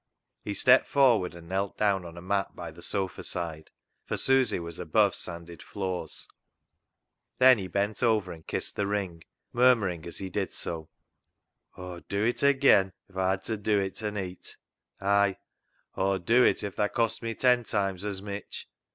He stepped forward and knelt down on a mat by the sofa side — for Susy was above sanded floors. Then he bent over and kissed the ring, murmuring as he did so —" Aw'd dew it agean if Aw had ta dew it ta neet. Ay, Aw'd do it if tha cost me ten times as mitch.